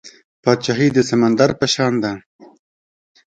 پاچاهي د سمندر په شان ده .